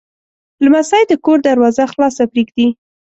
لمسی د کور دروازه خلاصه پرېږدي.